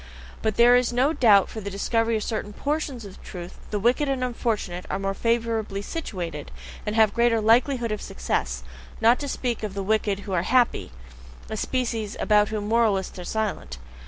But there is no doubt that for the discovery of certain PORTIONS of truth the wicked and unfortunate are more favourably situated and have a greater likelihood of success; not to speak of the wicked who are happy a species about whom moralists are silent.